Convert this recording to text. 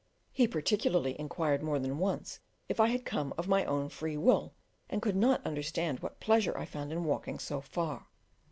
He particularly inquired more than once if I had come of my own free will, and could not understand what pleasure I found in walking so far.